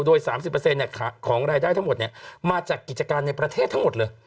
โดย๓๐ของรายได้ทั้งหมดมาจากกิจการในประเทศทั้งหมดเลย